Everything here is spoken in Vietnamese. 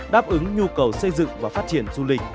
đáp ứng nhu cầu xây dựng và phát triển du lịch